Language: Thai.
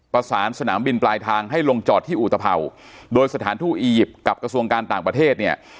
สนามบินปลายทางให้ลงจอดที่อุตภัวร์โดยสถานทู่อียิปต์กับกระทรวงการต่างประเทศเนี่ย